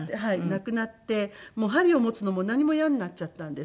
亡くなって針を持つのも何も嫌になっちゃったんですけれども。